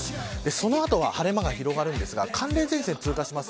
その後は晴れ間が広がりますが寒冷前線が通過します。